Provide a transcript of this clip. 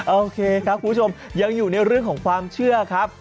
โอเคครับคุณผู้ชมยังอยู่ในเรื่องของความเชื่อครับ